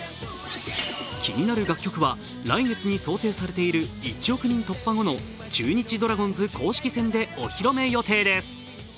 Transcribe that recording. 気になる楽曲は来月に想定されている１億人突破後の中日ドラゴンズ公式戦でお披露目予定です。